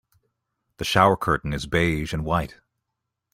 The shower curtain is beige and white.